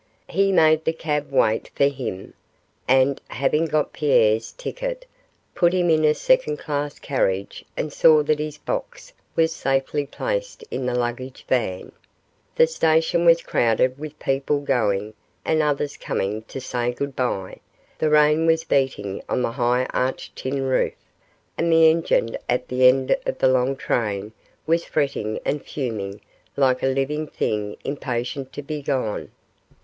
He made the cab wait for him, and, having got Pierre's ticket, put him in a second class carriage and saw that his box was safely placed in the luggage van. The station was crowded with people going and others coming to say goodbye; the rain was beating on the high arched tin roof, and the engine at the end of the long train was fretting and fuming like a living thing impatient to be gone.